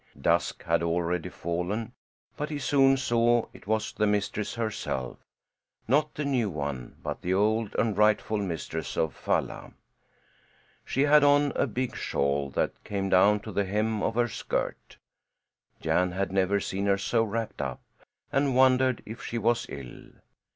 Dusk had already fallen, but he soon saw it was the mistress herself not the new one, but the old and rightful mistress of Falla. She had on a big shawl that came down to the hem of her skirt. Jan had never seen her so wrapped up, and wondered if she was ill.